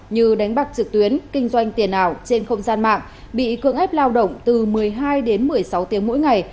như đánh bạc trực tuyến kinh doanh tiền ảo trên không gian mạng bị cưỡng ép lao động từ một mươi hai đến một mươi sáu tiếng mỗi ngày